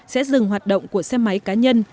sẽ dừng hoạt động của xe máy cá nhân